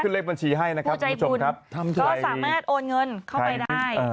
เลขบัญชีให้นะครับคุณผู้ชมครับก็สามารถโอนเงินเข้าไปได้